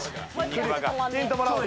ヒントもらおう。